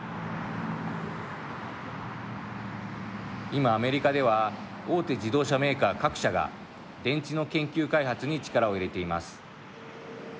今、アメリカでは大手自動車メーカー各社が電池の研究開発に力を入れています。